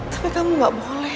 tapi kamu gak boleh